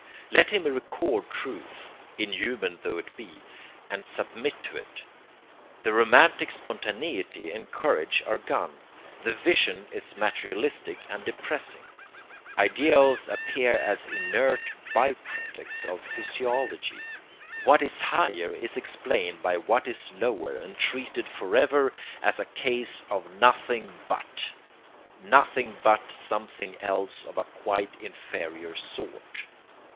Let him record truth, inhuman tho it be, and submit to it! The romantic spontaneity and courage are gone, the vision is materialistic and depressing. Ideals appear as inert by products of physiology; what is higher is explained by what is lower and treated forever as a case of 'nothing but' nothing but something else of a quite inferior sort.